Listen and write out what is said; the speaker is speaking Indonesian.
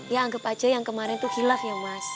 ya anggap aja yang kemarin itu hilaf ya mas